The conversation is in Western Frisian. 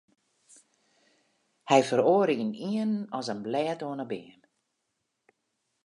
Hy feroare ynienen as in blêd oan 'e beam.